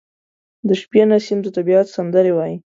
• د شپې نسیم د طبیعت سندرې وايي.